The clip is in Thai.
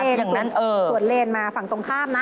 สวนเล่นสวนเล่นมาฝั่งตรงข้ามนะ